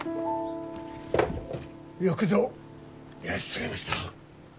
よくぞいらっしゃいました。